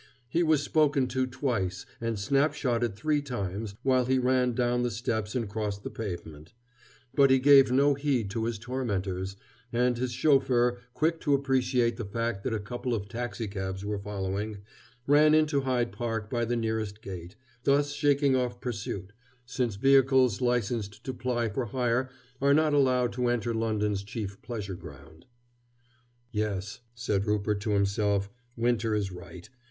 He was spoken to twice and snapshotted three times while he ran down the steps and crossed the pavement; but he gave no heed to his tormentors, and his chauffeur, quick to appreciate the fact that a couple of taxicabs were following, ran into Hyde Park by the nearest gate, thus shaking off pursuit, since vehicles licensed to ply for hire are not allowed to enter London's chief pleasure ground. "Yes," said Rupert to himself, "Winter is right.